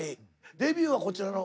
デビューはこちらの。